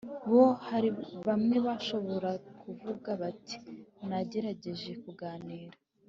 Bo hari bamwe bashobora kuvuga bati nagerageje kuganira